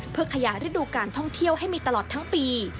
เพื่อขยายฤดูการท่องเที่ยวให้มีตลอดทั้งปี